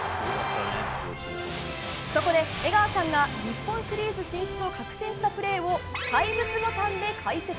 そこで、江川さんが日本シリーズ進出を確信したプレーを怪物ボタンで解説。